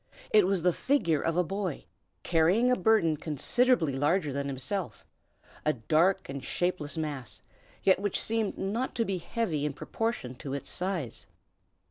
It was the figure of a boy, carrying a burden considerably larger than himself, a dark and shapeless mass, which yet seemed not to be heavy in proportion to its size.